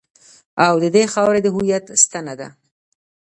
او د دې خاورې د هویت ستنه ده.